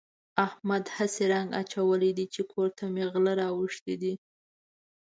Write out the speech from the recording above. احمد هسې رنګ اچولی دی چې کور ته مې غله راوښتي دي.